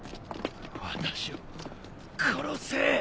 私を殺せ。